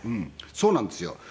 そうなんですよ。